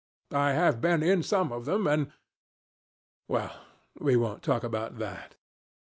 I have been in some of them, and ... well, we won't talk about that.